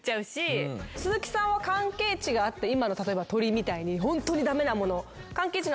鈴木さんは関係値があった今の例えば鳥みたいにホントに駄目なもの。